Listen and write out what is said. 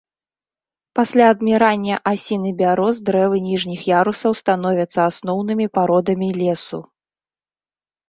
Пасля адмірання асін і бяроз дрэвы ніжніх ярусаў становяцца асноўнымі пародамі лесу.